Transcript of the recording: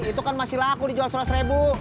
itu kan masih laku dijual seratus ribu